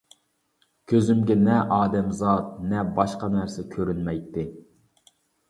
كۆزۈمگە نە ئادەمزات، نە باشقا نەرسە كۆرۈنمەيتتى.